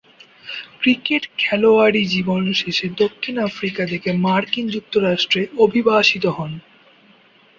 Cricket খেলোয়াড়ী জীবন শেষে দক্ষিণ আফ্রিকা থেকে মার্কিন যুক্তরাষ্ট্রে অভিবাসিত হন।